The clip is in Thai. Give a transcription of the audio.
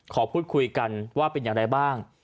ขอพูดคุยกันว่าเป็นอย่างไรบ้าง